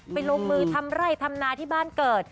ลงมือทำไร่ทำนาที่บ้านเกิด